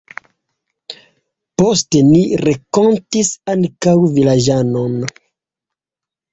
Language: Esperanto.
Poste ni renkontis ankaŭ vilaĝanon.